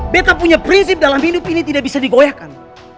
beta punya prinsip dalam hidup ini tidak bisa digoyahkan